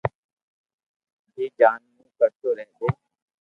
جي جان مون ڪرتو رھجي